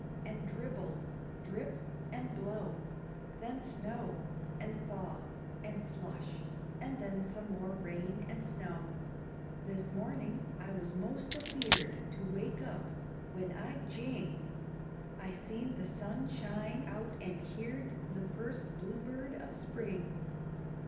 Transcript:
And dribble! drip! and blow! Then snow! and thaw! and slush! and then Some more rain and snow! This morning I was 'most afeared To wake up when, I jing! I seen the sun shine out and heerd The first bluebird of spring!